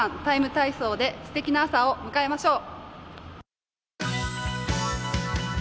ＴＩＭＥ，体操」ですてきな朝を迎えましょう。